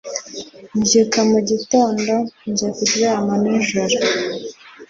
mbyuka mu gitondo njya kuryama nijoro